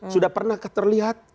sudah pernah keterlihat